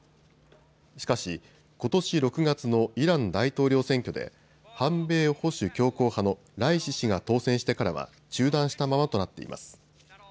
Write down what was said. しかし、ことし６月のイラン大統領選挙で反米・保守強硬派のライシ師が当選してからは中断したままとなっています。